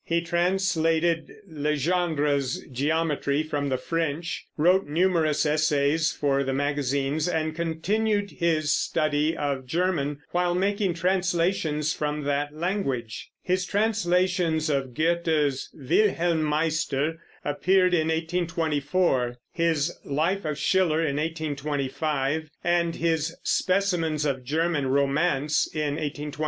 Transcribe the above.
He translated Legendre's Geometry from the French, wrote numerous essays for the magazines, and continued his study of German while making translations from that language. His translation of Goethe's Wilhelm Meister Appeared in 1824, his Life of Schiller in 1825, and his Specimens of German Romance in 1827.